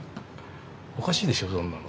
おかしいでしょそんなの。